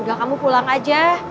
udah kamu pulang aja